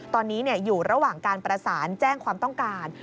ตอนนี้อยู่ระหว่างการประสานแจ้งความต้องการ